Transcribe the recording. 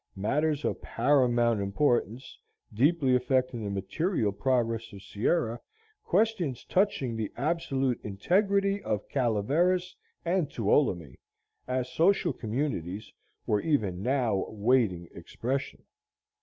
Matters of paramount importance, deeply affecting the material progress of Sierra, questions touching the absolute integrity of Calaveras and Tuolumne as social communities, were even now waiting expression.